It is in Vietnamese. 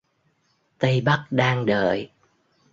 Tây Bắc đang đợi